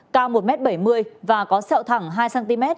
cao một m bảy mươi và có sẹo thẳng hai cm